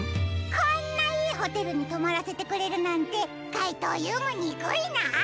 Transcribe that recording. こんないいホテルにとまらせてくれるなんてかいとうＵもにくいな。